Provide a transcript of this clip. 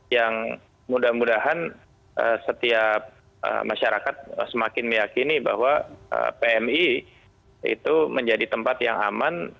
yang mudah mudahan setiap masyarakat semakin meyakini bahwa pmi itu menjadi tempat yang aman